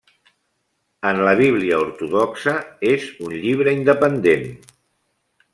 En la Bíblia ortodoxa és un llibre independent.